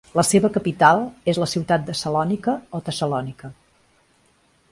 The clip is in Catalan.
La seva capital és la ciutat de Salònica o Tessalònica.